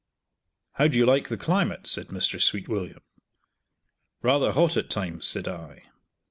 "How do you like the climate?" said Mr. Sweetwilliam. "Rather hot, at times," said I.